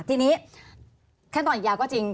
ทีนี้ขั้นตอนอีกยาวก็จริง